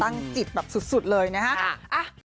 ตั้งจิตแบบสุดเลยนะฮะ